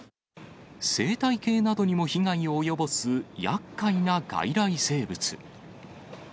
生態系などにも被害を及ぼすやっかいな外来生物。